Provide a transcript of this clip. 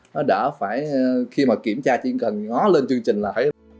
nó đỡ phải khi mà kiểm tra chỉ cần ngó lên chương trình là thấy